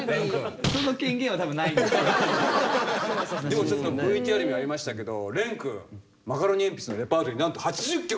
でもちょっとＶＴＲにありましたけどれんくんマカロニえんぴつのレパートリーなんと８０曲。